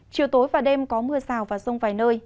chiều tối và đêm có mưa rào và rông vài nơi